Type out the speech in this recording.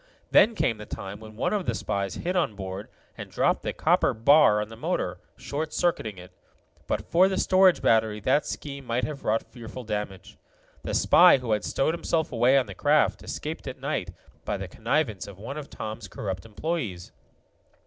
Then came the time when one of the spies hid on board, and dropped the copper bar on the motor, short circuiting it. But for the storage battery that scheme might have wrought fearful damage. The spy who had stowed himself away on the craft escaped at night by the connivance of one of Tom's corrupt employees.